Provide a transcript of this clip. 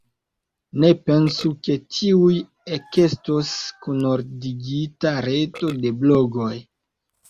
Ne pensu, ke tuj ekestos kunordigita reto de blogoj.